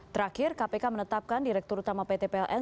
terakhir kpk menetapkan direktur utama pt pln